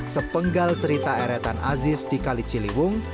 sepenggal cerita eretan aziz di kali ciliwung